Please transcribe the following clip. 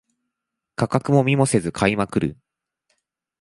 価格を見もせず買いまくる